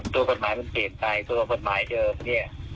ตัวกฎหมายมันเปลี่ยนไปตัวกฎหมายเดิมเนี่ย